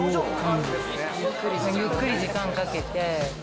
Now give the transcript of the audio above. ゆっくり時間かけて。